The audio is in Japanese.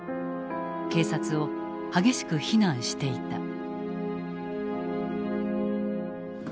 警察を激しく非難していた。